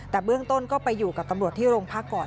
แต่เบื้องต้นก็ไปอยู่กับตำรวจที่โรงพักก่อน